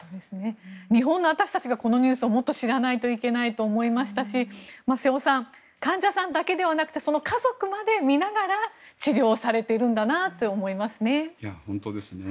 日本の私たちがこのニュースをもっと知らないといけないと思いましたし瀬尾さん患者さんだけではなくてその家族まで見ながら治療をされているんだなと思いますね。